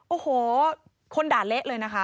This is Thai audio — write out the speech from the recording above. โอ้โหคนด่าเละเลยนะคะ